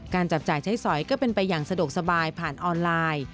จับจ่ายใช้สอยก็เป็นไปอย่างสะดวกสบายผ่านออนไลน์